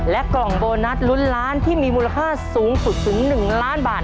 กล่องโบนัสลุ้นล้านที่มีมูลค่าสูงสุดถึง๑ล้านบาท